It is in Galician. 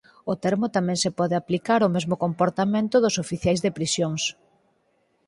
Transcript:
O termo tamén se pode aplicar ó mesmo comportamento dos oficiais de prisións.